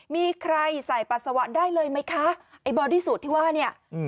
มีใครใส่ปัสสาวะได้เลยไหมคะไอ้บอดี้สูตรที่ว่าเนี่ย